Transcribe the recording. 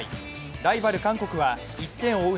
ライバル・韓国は１点を追う